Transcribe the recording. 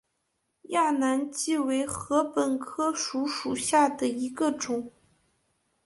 南亚稷为禾本科黍属下的一个种。